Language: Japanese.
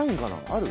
ある？